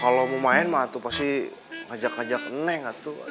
kalau mau main mah tuh pasti ngajak ngajak neng